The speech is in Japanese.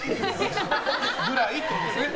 それぐらいってことですね。